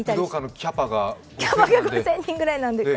キャパが５０００人ぐらいなので。